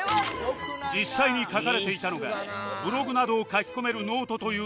実際に書かれていたのがブログなどを書き込める ｎｏｔｅ というサイト